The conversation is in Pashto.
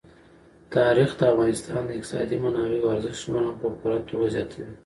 تاریخ د افغانستان د اقتصادي منابعو ارزښت نور هم په پوره توګه زیاتوي.